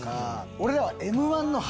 俺らは。